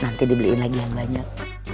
nanti dibeliin lagi yang banyak